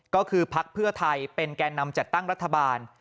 ก็คือพักเพื่อไทยเป็นแก่นำจัดตั้งรัฐบาล